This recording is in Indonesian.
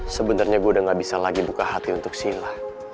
sebenarnya gue udah gak bisa lagi buka hati untuk sila